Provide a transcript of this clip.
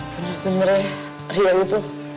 bener bener ya riau itu